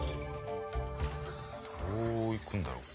どういくんだろう？